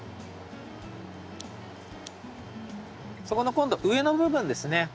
そこの今度上の部分ですね。